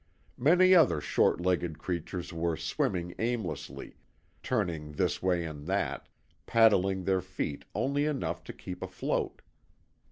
Many other shorter legged creatures were swimming aimlessly, turning this way and that, paddling their feet only enough to keep afloat.